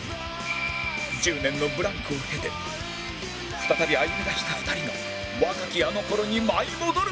１０年のブランクを経て再び歩み出した２人が若きあの頃に舞い戻る！